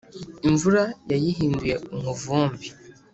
imvura yayihinduye umuvumbi